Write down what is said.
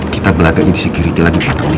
kita belakang di security lagi patroli